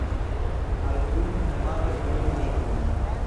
Al unu homaro unu lingvon.